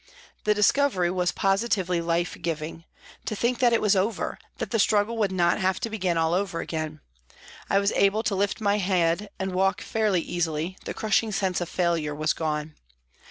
The discovery was positively life giving. To think that it was over, that the struggle would not have to begin all over again ! I was able to lift my head DEPUTATION TO PRIME MINISTER 49 a nd walk fairly easily ; the crushing sense of failure w as gone.